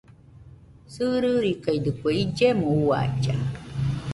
Sɨririkaidɨkue illemo uailla.